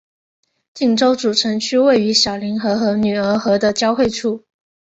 锦州主城区位于小凌河和女儿河的交汇处。